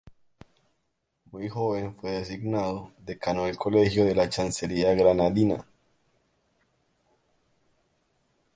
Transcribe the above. Muy joven fue designado Decano del Colegio de la Chancillería granadina.